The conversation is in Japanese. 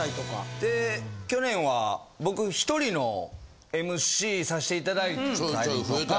え去年は僕１人のＭＣさしていただいたりとか。